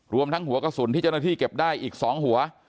รวมทั้งหัวกระสุนที่เจ้าหน้าที่เก็บได้อีก๒หัว